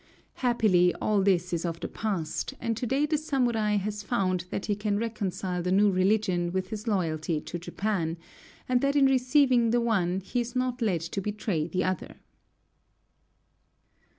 Happily, all this is of the past, and to day the samurai has found that he can reconcile the new religion with his loyalty to Japan, and that in receiving the one he is not led to betray the other.